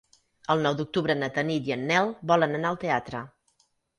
El nou d'octubre na Tanit i en Nel volen anar al teatre.